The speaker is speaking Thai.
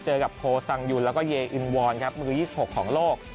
เจอกับโพสังยุนแล้วก็เยอินวอนครับมือ๒๖ของโลก